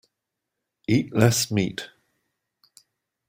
Eat less meat.